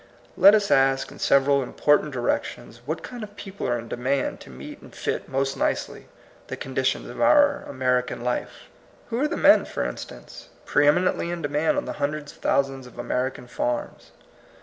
Let us ask, in several important direc tions, what kind of people are in demand to meet and fit most nicely the conditions of our American life. Who are the men, for instance, pre eminently in demand on the hundreds of thousands of American farms?